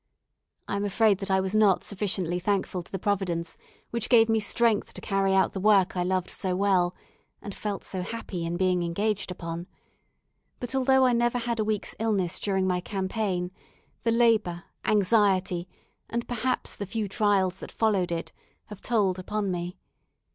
I am afraid that I was not sufficiently thankful to the Providence which gave me strength to carry out the work I loved so well, and felt so happy in being engaged upon; but although I never had a week's illness during my campaign, the labour, anxiety, and perhaps the few trials that followed it, have told upon me.